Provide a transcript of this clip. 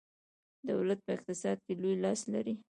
دولت په اقتصاد کې لوی لاس لري.